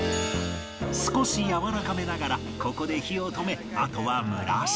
少しやわらかめながらここで火を止めあとは蒸らし